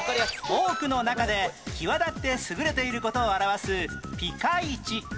多くの中で際立って優れている事を表す「ピカイチ」